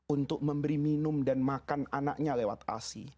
untuk memberi minum dan makan anaknya lewat asi